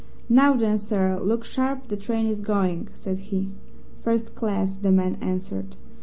"Now then, sir, look sharp, the train is going," said he. "First class," the man answered.